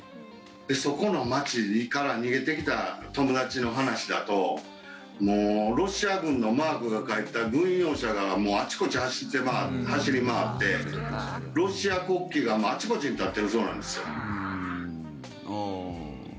そこの街から逃げてきた友達の話だとロシア軍のマークが書いた軍用車があちこち走り回ってロシア国旗が、あちこちに立ってるそうなんですよ。